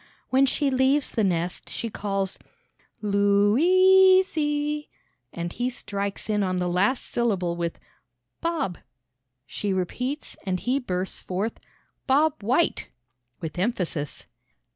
When she leaves the nest, she calls "Lou is e!" and he strikes in on the last syllable with "Bob;" she repeats, and he bursts forth "Bob White!" with emphasis.